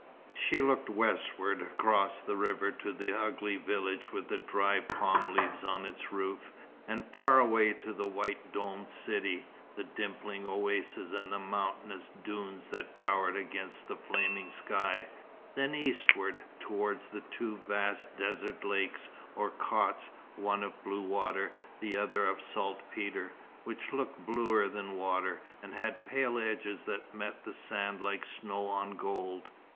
She looked westward, across the river to the ugly village with the dried palm leaves on its roofs, and far away to the white domed city, the dimpling oases and the mountainous dunes that towered against a flaming sky; then eastward, towards the two vast desert lakes, or chotts, one of blue water, the other of saltpetre, which looked bluer than water, and had pale edges that met the sand like snow on gold.